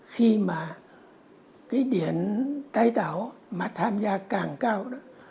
khi mà cái điện tái tạo mà tham gia càng cao đó